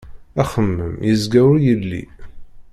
Axemmem yezga ur yelli.